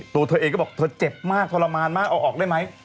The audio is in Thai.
ตัวเธอเองก็บอกเธอเจ็บมากทรมานมากเอาออกได้ไหม